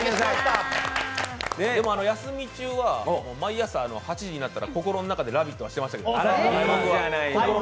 でも休み中は毎朝、８時になったら心の中で「ラヴィット！」をしてましたけどね。